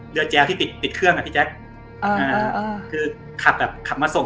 แจวที่ติดติดเครื่องอ่ะพี่แจ๊คอ่าคือขับแบบขับมาส่ง